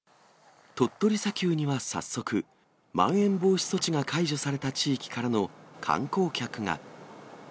鳥取砂丘には早速、まん延防止措置が解除された地域からの観光客が。